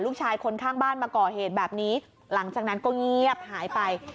ลูกชายคนข้างบ้านมาก่อเหตุแบบนี้หลังจากนั้นก็เงียบหายไป